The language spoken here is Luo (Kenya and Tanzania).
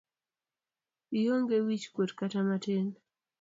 Ionge wich kuot kata matin.